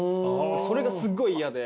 それが、すっごい嫌で。